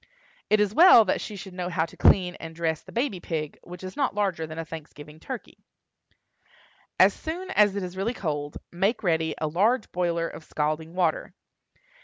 It is well that she should know how to clean and dress the baby pig, which is not larger than a Thanksgiving turkey. As soon as it is really cold, make ready a large boiler of scalding water.